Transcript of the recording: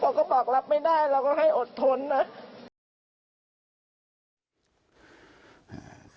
เขาก็บอกรับไม่ได้เราก็ให้อดทนนะ